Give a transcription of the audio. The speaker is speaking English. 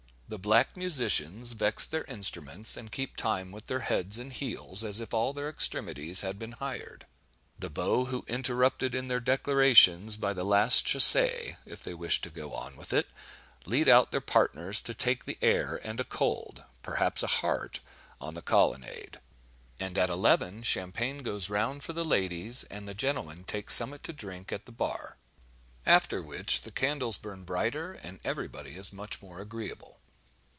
The black musicians "vex their instruments," and keep time with their heads and heels, as if all their extremities had been hired; the beaux who were interrupted in their declarations by the last chassé, (if they wish to go on with it,) lead out their partners to take the air and a cold,—perhaps a heart,—on the Colonnade; and at eleven, champagne goes round for the ladies, and the gentlemen take "summat to drink" at "the bar;" after which the candles burn brighter, and every body is much more agreeable.